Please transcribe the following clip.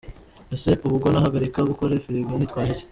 Ese ubwo nahagarika gukora firigo nitwaje iki ?”.